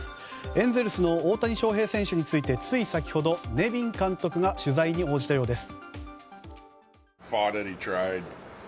エンゼルスの大谷翔平選手についてつい先ほどネビン監督が取材に応じたようです。